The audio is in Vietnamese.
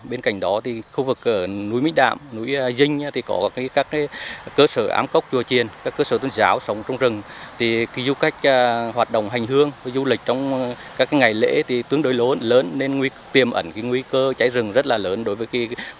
bên cạnh đó khu vực núi mít đạm núi dinh có các cơ sở ám cốc chua chiên các cơ sở tuân giáo sống trong rừng